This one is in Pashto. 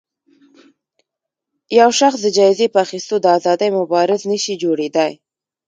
يو شخص د جايزې په اخیستو د ازادۍ مبارز نه شي جوړېدای